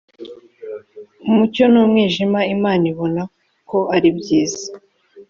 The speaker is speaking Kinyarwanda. umucyo n umwijima imana ibona ko ari byiza